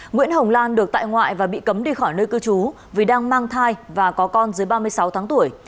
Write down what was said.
nguyễn hồng lan được tại ngoại và bị cấm đi khỏi nơi cư trú vì đang mang thai và có con dưới ba mươi sáu tháng tuổi